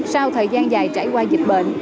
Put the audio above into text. sau thời gian dài trải qua dịch bệnh